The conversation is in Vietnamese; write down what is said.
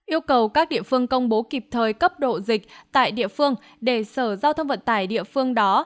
yêu cầu các địa phương công bố kịp thời cấp độ dịch tại địa phương để sở giao thông vận tải địa phương đó